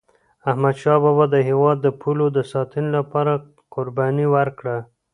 احمدشاه بابا د هیواد د پولو د ساتني لپاره قرباني ورکړه.